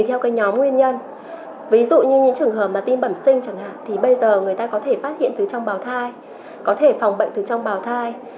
theo cái nhóm nguyên nhân ví dụ như những trường hợp mà tim bẩm sinh chẳng hạn thì bây giờ người ta có thể phát hiện từ trong bào thai có thể phòng bệnh từ trong bào thai